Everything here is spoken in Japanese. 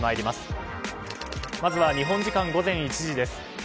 まずは日本時間午前１時です。